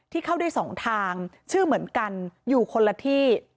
เข้าได้สองทางชื่อเหมือนกันอยู่คนละที่